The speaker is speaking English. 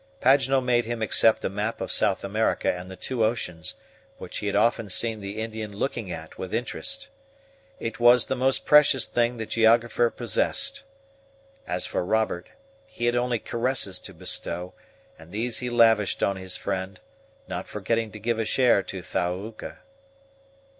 Paganel made him accept a map of South America and the two oceans, which he had often seen the Indian looking at with interest. It was the most precious thing the geographer possessed. As for Robert, he had only caresses to bestow, and these he lavished on his friend, not forgetting to give a share to Thaouka.